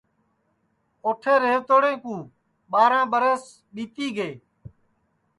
اوٹھے ریہوتوڑے کُو ٻاراں ٻرس ٻِیتی گے